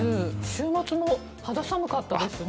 週末も肌寒かったですね。